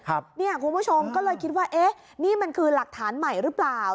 คุณผู้ชมก็เลยคิดว่าเอ๊ะนี่มันคือหลักฐานใหม่หรือเปล่า